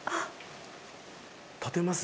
立てます？